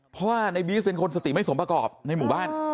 เพราะว่าในบีสเป็นคนสติไม่สมประกอบในหมู่บ้าน